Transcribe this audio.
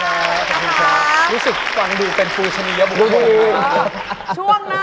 รู้สึกฟังดูเป็นภูชนียะบุคคล